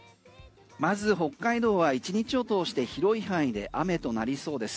まず北海道は１日を通して広い範囲で雨となりそうです。